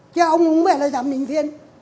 chứ ông cũng phải là giám định viên